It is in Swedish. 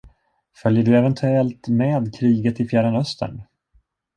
Följer du eventuellt med kriget i Fjärran Östern?